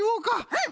うん。